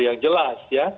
yang jelas ya